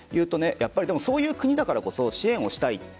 そういう国だからこそ支援をしたい。